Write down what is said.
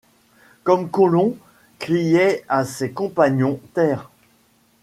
Comme Colomb criait à ses compagnons : Terre !